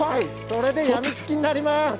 それで病みつきになります。